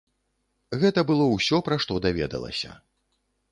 Гэта было ўсё, пра што даведалася.